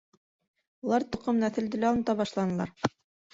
Улар тоҡом нәҫелде лә онота башланылар.